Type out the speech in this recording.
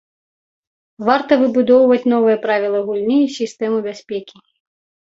Варта выбудоўваць новыя правілы гульні і сістэму бяспекі.